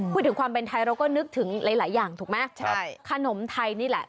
พูดถึงความเป็นไทยเราก็นึกถึงหลายอย่างถูกไหมขนมไทยนี่แหละ